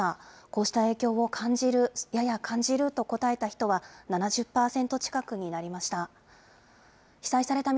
こうした影響を感じる、やや感じると答えた人は７０％近くになりました。